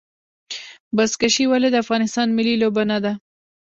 بزکشي ولې د افغانستان ملي لوبه نه ده؟